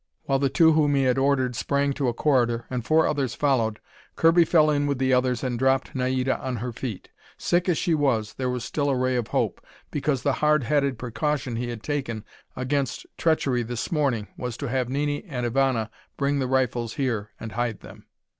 While the two whom he had ordered sprang to a corridor, and four others followed, Kirby fell in with the others and dropped Naida on her feet. Sick as he was, there was still a ray of hope, because the hard headed precaution he had taken against treachery this morning was to have Nini and Ivana bring the rifles here and hide them.